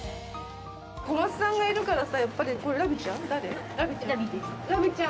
小松さんがいるからさ、やっぱりこれラビーちゃん？